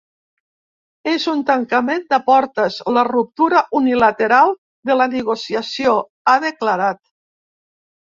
És un tancament de portes, la ruptura unilateral de la negociació, ha declarat.